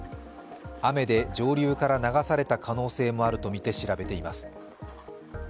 雨で上流から流された可能性もあるとみて調べています。